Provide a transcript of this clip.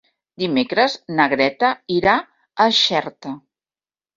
Dimecres na Greta irà a Xerta.